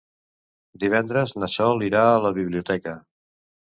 Divendres na Sol irà a la biblioteca.